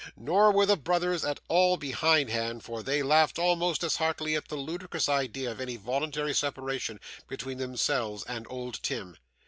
Nor were the brothers at all behind hand, for they laughed almost as heartily at the ludicrous idea of any voluntary separation between themselves and old Tim.